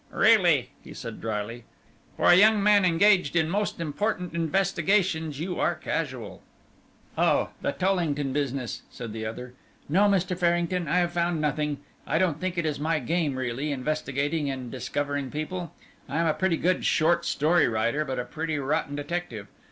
"Really!" he said, drily, "for a young man engaged in most important investigations you are casual." "Oh! the Tollington business," said the other. "No, Mr. Farrington, I have found nothing. I don't think it is my game really investigating and discovering people. I'm a pretty good short story writer but a pretty rotten detective.